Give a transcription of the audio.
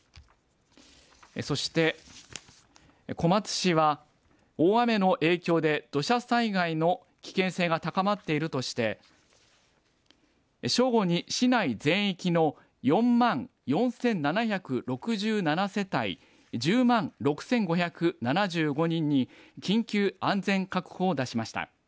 そして小松市は大雨の影響で土砂災害の危険性が高まっているとして正午に市内全域の４万４７６７世帯１０万６５７５人に緊急安全確保を出しました。